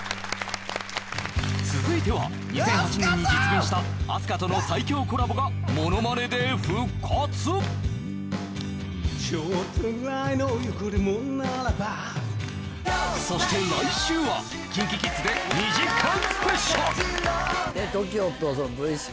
続いては２００８年に実現したＡＳＫＡとの最強コラボがものまねで復活そして来週はＫｉｎＫｉＫｉｄｓで２時間